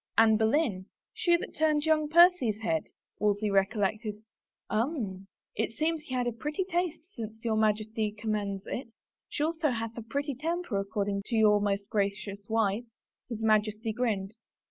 " Anne Boleyn — she that turned young Percy's head?" Wolsey recollected. "Um — it seems he had a pretty taste since your Majesty conunends it. She also hath a pretty temper according to your most gracious wife.^' His Majesty grinned.